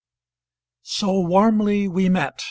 SO WARMLY WE MET.